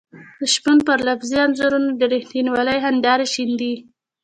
د شپون پر لفظي انځورونو د رښتینولۍ هېندارې شيندي.